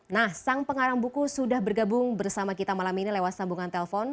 nah sang pengarang buku sudah bergabung bersama kita malam ini lewat sambungan telpon